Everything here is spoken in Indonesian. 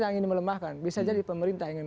yang ingin melemahkan bisa jadi pemerintah ingin